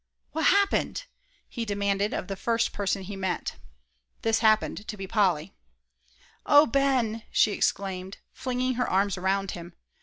"What's happened?" he demanded of the first person he met. This happened to be Polly. "Oh, Ben!" she exclaimed, flinging her arms around him.